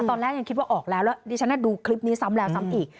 ตอนแรกยังคิดว่าออกแล้วแล้วดิฉันดูคลิปนี้ซ้ำแล้วซ้ำอีก